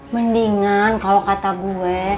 meningkan kalau kata gue